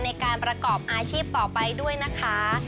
ในการประกอบอาชีพต่อไปด้วยนะคะ